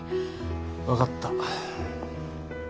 分かった。